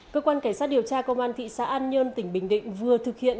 cơ quan cảnh sát điều tra công an thị xã an nhơn tỉnh bình định vừa thực hiện